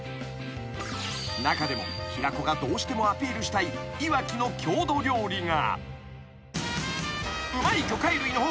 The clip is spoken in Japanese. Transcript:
［中でも平子がどうしてもアピールしたいいわきの郷土料理が］